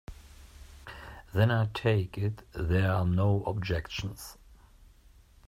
Then I take it there are no objections.